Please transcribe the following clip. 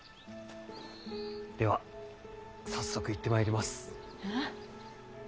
では早速行ってまいります。